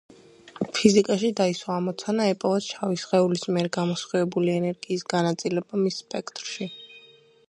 ფიზიკაში დაისვა ამოცანა ეპოვათ შავი სხეულის მიერ გამოსხივებული ენერგიის განაწილება მის სპექტრში.